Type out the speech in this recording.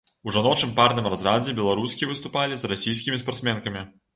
У жаночым парным разрадзе беларускі выступалі з расійскімі спартсменкамі.